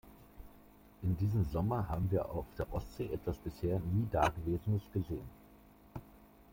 In diesem Sommer haben wir auf der Ostsee etwas bisher nie dagewesenes gesehen.